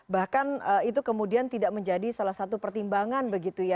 bahkan itu kemudian tidak menjadi salah satu pertimbangan begitu ya